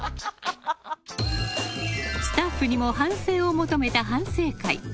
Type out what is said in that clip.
スタッフにも反省を求めた反省会。